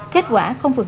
kết quả không vượt